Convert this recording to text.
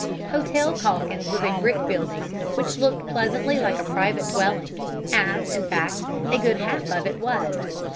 "Hotel Calkins" was a brick building which looked pleasantly like a private dwelling, as, in fact, a good half of it was.